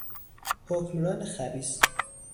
حکمران خبیث